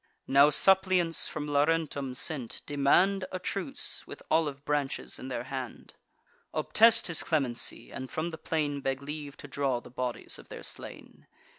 Now suppliants, from Laurentum sent, demand A truce, with olive branches in their hand; Obtest his clemency, and from the plain Beg leave to draw the bodies of their slain.